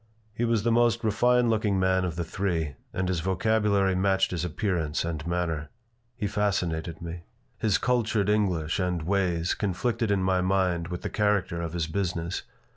He was the most refined looking man of the three and his vocabulary matched his appearance and manner. He fascinated me. His cultured English and ways conflicted in my mind with the character of his business.